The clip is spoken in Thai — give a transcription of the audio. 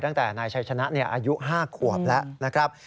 ตั้งแต่นายชัยชนะอายุ๕ขวบแล้วนะครับ